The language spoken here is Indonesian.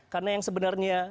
karena yang sebenarnya